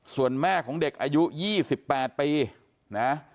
ส่วนแม่ของเด็กอายุยี่สิบแปดปีนะ